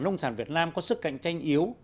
nông sản việt nam có sức cạnh tranh yếu